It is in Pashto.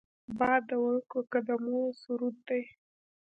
باد د ورکو قدمونو سرود دی